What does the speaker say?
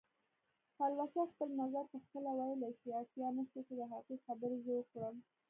پلوشه خپل نظر پخپله ویلی شي، اړتیا نشته چې د هغې خبرې زه وکړم